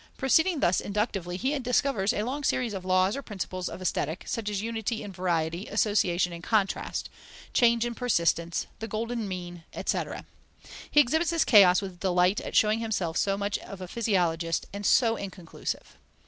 Proceeding thus inductively, he discovers a long series of laws or principles of Aesthetic, such as unity in variety, association and contrast, change and persistence, the golden mean, etc. He exhibits this chaos with delight at showing himself so much of a physiologist, and so inconclusive.